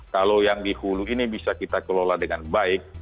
kalau yang di hulu ini bisa kita kelola dengan baik